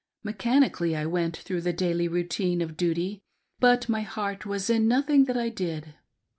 Mechanically I went through the daily routine of duty, but my heart was in nothing that I did.